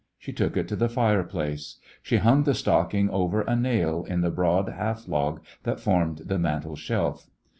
She took it to the fireplace. She hung the stocking over a nail in liie broad half log that formed the mantel shelf.